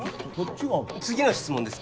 次の質問です